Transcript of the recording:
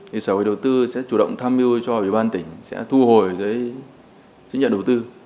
thì sở quy đầu tư sẽ chủ động tham yêu cho ủy ban tỉnh sẽ thu hồi với những nhà đầu tư